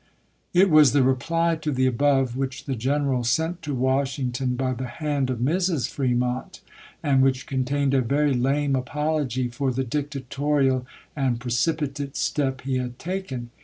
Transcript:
It was the reply to the above which the general sent to Washington by the hand of Mrs. Fremont, and which contained a very lame apology for the dictatorial and precipitate step he had taken.